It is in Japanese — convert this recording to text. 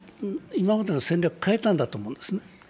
まさにアメリカ、僕は今までの戦略を変えたんだと思うんですね。